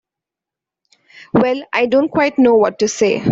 Well—I don't quite know what to say.